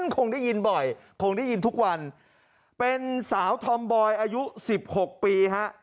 คงได้ยินบ่อยคงได้ยินทุกวันเป็นสาวธอมบอยอายุ๑๖ปีฮะ